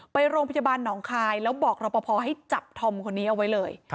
ไปโรงพยาบาลหนองคายแล้วบอกรอปภให้จับธอมคนนี้เอาไว้เลย